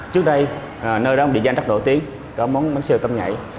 trước đây nơi đó bị gian trắc nổi tiếng có món bánh xèo tôm nhảy